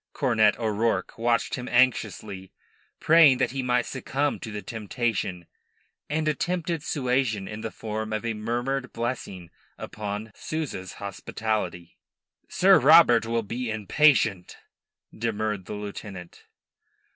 Cornet O'Rourke watched him anxiously, praying that he might succumb to the temptation, and attempted suasion in the form of a murmured blessing upon Souza's hospitality. "Sir Robert will be impatient," demurred the lieutenant.